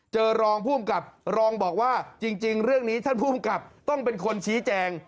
รองภูมิกับรองบอกว่าจริงเรื่องนี้ท่านภูมิกับต้องเป็นคนชี้แจง